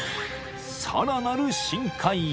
［さらなる深海へ］